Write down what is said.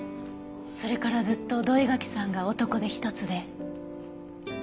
それからずっと土居垣さんが男手一つで。